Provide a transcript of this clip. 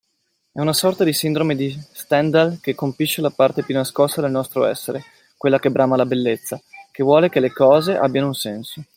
È una sorta di sindrome di Stendhal che colpisce la parte più nascosta del nostro essere, quella che brama la bellezza, che vuole che le cose abbiano un senso.